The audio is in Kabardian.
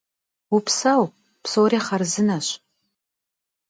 Vupseu, psori xharzıneş.